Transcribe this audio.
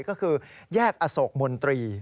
ก็คือแยกอโศกมนตรี